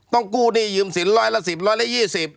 ต้องกู้หนี้ยืมสินร้อยละ๑๐ร้อยละ๒๐